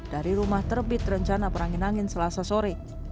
dari rumah terbit rencana perangin angin selasa sore